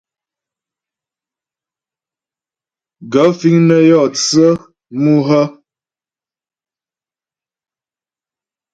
Gaə̂ fíŋ nə́ yɔ tsə́ mú hə́ ?